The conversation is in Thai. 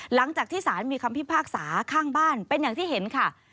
หลังจากที่สารมีคำพิพากษาข้างบ้านเป็นอย่างที่เห็นค่ะ